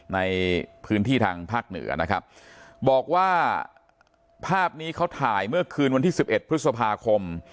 ในพื้นที่ทางภาคเหนือนะครับบอกว่าภาพนี้เขาถ่ายเมื่อคืนวันที่สิบเอ็ดพฤษภาคม